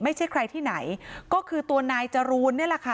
ไม่ใช่ใครที่ไหนก็คือตัวนายจรูนนี่แหละค่ะ